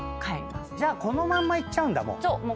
じゃあこのまんま行っちゃうんだ。